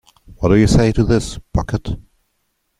What do you say to this, Bucket?